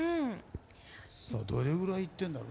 どれぐらいいってるんだろう。